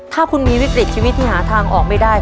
ถ้าคุณมีวิกฤตชีวิตที่หาทางออกไม่ได้